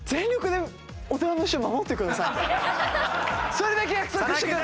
それだけ約束してください。